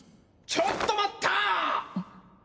ちょっと待った！